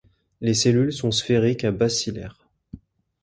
Les cellules sont sphériques à bacillaires.